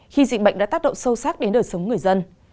khi dịch bệnh đã tác động sâu sắc đến đời sống người dân